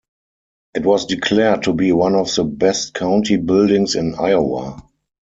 It was declared to be one of the best county buildings in Iowa.